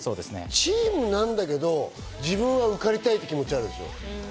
チームなんだけど自分は受かりたい気持ちがある。